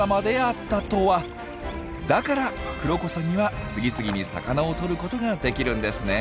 だからクロコサギは次々に魚をとることができるんですね。